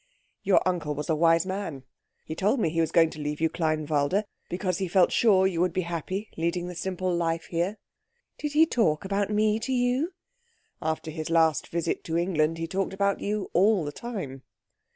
"Your uncle was a wise man. He told me he was going to leave you Kleinwalde because he felt sure you would be happy leading the simple life here." "Did he talk about me to you?" "After his last visit to England he talked about you all the time."